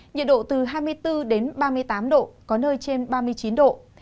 nhiệt độ từ hai mươi bốn đến ba mươi tám độ có nơi trên ba mươi chín độ